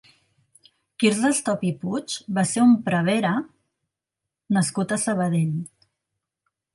Quirze Estop i Puig va ser un prevere nascut a Sabadell.